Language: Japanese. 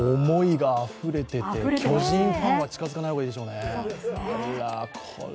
思いがあふれてて巨人ファンは近づかない方がいいでしょうね。